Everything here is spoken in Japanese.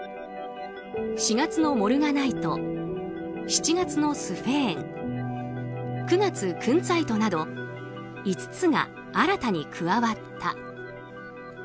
４月のモルガナイト７月のスフェーン９月、クンツァイトなど５つが新たに加わった。